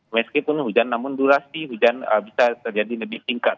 meskipun hujan namun durasi hujan bisa terjadi lebih tingkat